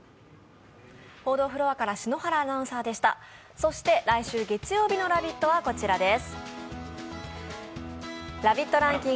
そして来週月曜日の「ラヴィット！」はこちらです。